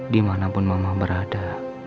dimanapun mama berada